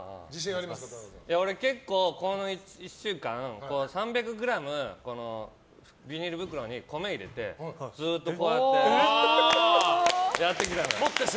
俺、結構この１週間３００ｇ、ビニール袋に米入れてずっと持ってやっての。